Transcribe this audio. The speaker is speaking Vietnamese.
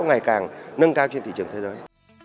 ngày càng nâng cao trên thị trường thế giới